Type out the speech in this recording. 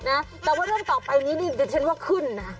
แต่ว่าร่วมต่อไปนี้นี่เนี่ยจะเช็นว่าขึ้นนะ